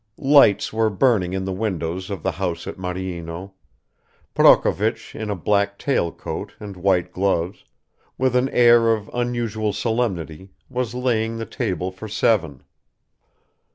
Lights were burning in the windows of the house at Maryino; Prokovich in a black tail coat and white gloves, with an air of unusual solemnity, was laying the table for seven.